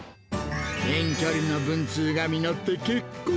遠距離の文通が実って結婚。